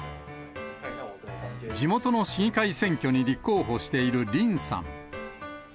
地元の市議会選挙に立候補している林さん。